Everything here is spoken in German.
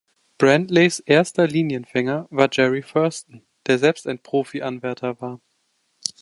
Brantleys erster Linienfänger war Jerry Thurston, der selbst ein Profi-Anwärter war.